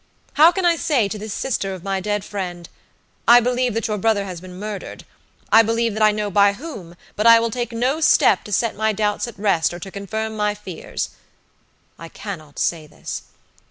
How can I say to this sister of my dead friend, 'I believe that your brother has been murdered! I believe that I know by whom, but I will take no step to set my doubts at rest, or to confirm my fears'? I cannot say this.